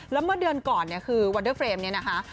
แล้วเมื่อเดือนก่อนเนี่ยคือวันเดอร์เฟรมเนี่ยนะคะ